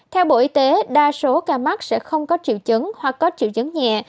theo bộ y tế đa số ca mắc sẽ không có triệu chứng hoặc có triệu chứng nhẹ